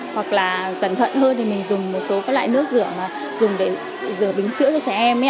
hoặc là cẩn thận hơn thì mình dùng một số các loại nước rửa mà dùng để rửa bình sữa cho trẻ em ấy ạ